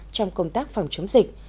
trong công tác phòng chống dịch